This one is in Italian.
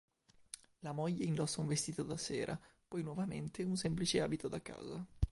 La moglie indossa un vestito da sera, poi nuovamente un semplice abito da casa.